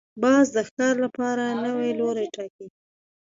باز د ښکار لپاره نوی لوری ټاکي